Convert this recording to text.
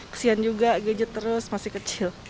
kesian juga gadget terus masih kecil